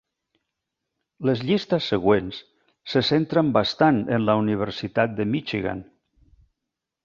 Les llistes següents se centren bastant en la Universitat de Michigan.